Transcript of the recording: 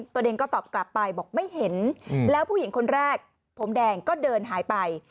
ตัวเองก็ตอบกลับไปบอกไม่เห็นแล้วผู้หญิงคนแรกผมแดงก็เดินหายไป